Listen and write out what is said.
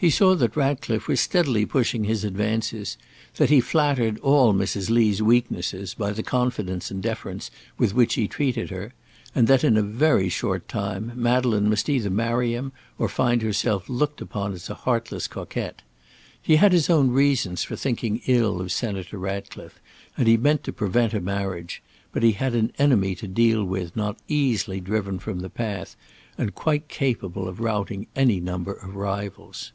He saw that Ratcliffe was steadily pushing his advances; that he flattered all Mrs. Lee's weaknesses by the confidence and deference with which he treated her; and that in a very short time, Madeleine must either marry him or find herself looked upon as a heartless coquette. He had his own reasons for thinking ill of Senator Ratcliffe, and he meant to prevent a marriage; but he had an enemy to deal with not easily driven from the path, and quite capable of routing any number of rivals.